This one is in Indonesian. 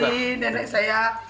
jadi nenek saya